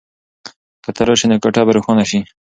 که ته راشې نو کوټه به روښانه شي.